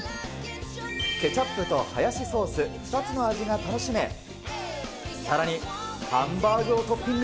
ケチャップとハヤシソース、２つの味が楽しめ、さらにハンバーグをトッピング。